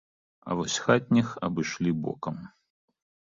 А вось хатніх абышлі бокам.